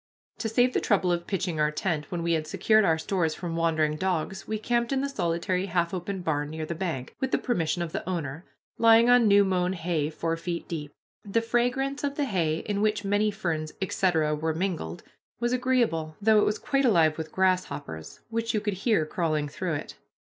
To save the trouble of pitching our tent, when we had secured our stores from wandering dogs, we camped in the solitary half open barn near the bank, with the permission of the owner, lying on new mown hay four feet deep. The fragrance of the hay, in which many ferns, etc., were mingled, was agreeable, though it was quite alive with grasshoppers which you could hear crawling through it.